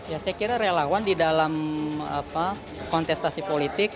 ya saya kira relawan di dalam kontestasi politik